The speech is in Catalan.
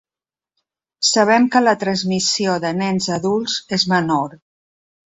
Sabem que la transmissió de nens a adults és menor.